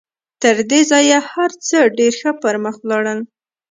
تر دې ځایه هر څه ډېر ښه پر مخ ولاړل